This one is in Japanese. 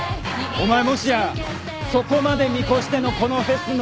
お前もしやそこまで見越してのこのフェスの参加だったのか？